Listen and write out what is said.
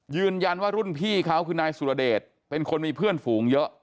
ยืนยันว่ารุ่นพี่เขาคือนายสุรเดชเป็นคนมีเพื่อนฝูงเยอะ